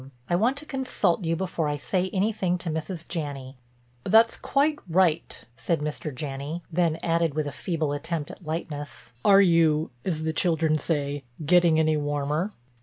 I want to consult you before I say anything to Mrs. Janney." "That's quite right," said Mr. Janney, then added with a feeble attempt at lightness, "Are you, as the children say, getting any warmer?"